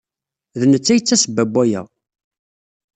D netta ay d tasebba n waya.